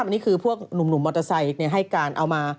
อันนี้คือพวกหนุ่มมอเตอร์ไซค์ให้การเอามา